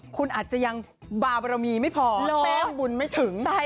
คุณอาจจะยังบาบรมีไม่พอแต้มบุญไม่ถึง